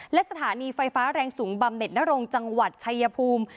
และสถานีไฟฟ้าแรงสูงบำเน็ตนรงจังหวัดชายภูมิ